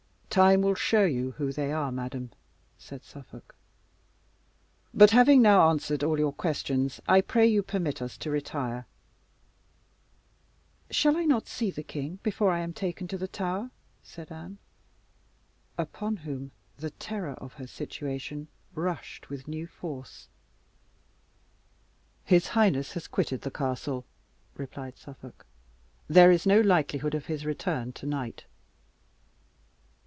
"Time will show you who they are, madam," said Suffolk. "But having now answered all your questions, I pray you permit us to retire." "Shall I not see the king before I am taken to the Tower?" said Anne, upon whom the terror of her situation rushed with new force. "His highness has quitted the castle," replied Suffolk, "and there is no likelihood of his return to night."